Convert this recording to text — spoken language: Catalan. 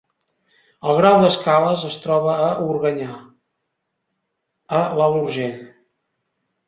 El Grau d'Escales es troba a Organyà, a l'Alt Urgell.